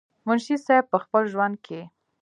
منشي صېب پۀ خپل ژوند کښې